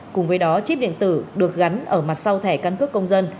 cùng với đó chip điện tử được gắn ở mặt sau thẻ căn cước công dân